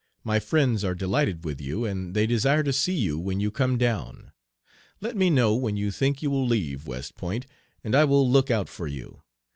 My friends are delighted with you, and they desire to see you when you come down. Let me know when you think you will leave West Point, and I will look out for you.